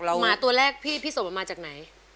หมาตัวแรกพี่พี่ส่งมาจากไหน